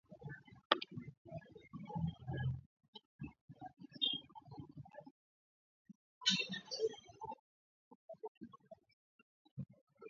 Mwandishi wa Uganda aliyeko uhamishoni asimulia alivyoteswa kwa kusimamia maadili